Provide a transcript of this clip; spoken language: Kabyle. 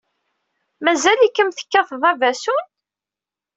Mazal-ikem tekkateḍ abasun?